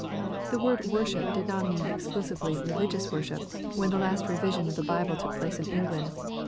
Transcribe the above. The word "worship" did not mean exclusively religious worship, when the last revision of the Bible took place in England.